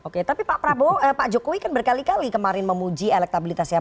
oke tapi pak prabowo pak jokowi kan berkali kali kemarin memuji elektabilitasnya